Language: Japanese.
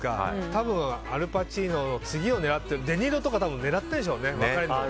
多分アル・パチーノの次を狙ってデ・ニーロとか狙ってるんでしょうね。